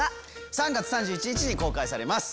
３月３１日に公開されます。